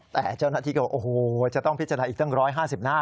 แต่เจ้าหน้าที่ก็โอ้โหจะต้องพิจารณาอีกตั้ง๑๕๐หน้า